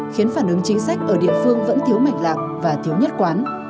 khiến phản ứng chính sách ở địa phương vẫn thiếu mạch lạc và thiếu nhất quán